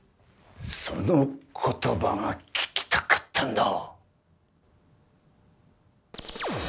その言葉が聞きたかったんだ。